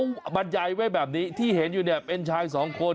เขาบรรยายไว้แบบนี้ที่เห็นอยู่เนี่ยเป็นชายสองคน